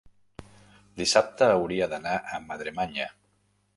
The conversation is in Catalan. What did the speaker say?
dissabte hauria d'anar a Madremanya.